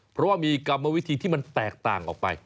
เพราะว่ามีกรรมวิธีที่มันแตกต่างออกไป